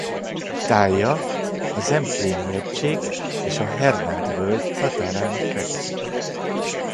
Tállya a Zempléni-hegység és a Hernád-völgy határán fekszik.